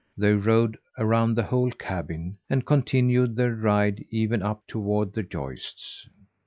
They rode around the whole cabin, and continued their ride even up toward the joists.